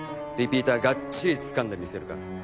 リピーターがっちりつかんでみせるから。